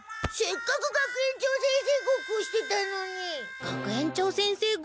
せっかく学園長先生